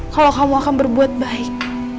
kalau kamu akan berbuat baik